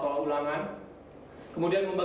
tidak boleh digotwa